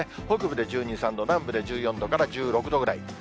北部で１２、３度、南部で１４度から１６度ぐらい。